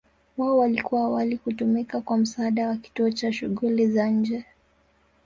Wao walikuwa awali kutumika kwa msaada wa kituo cha shughuli za nje.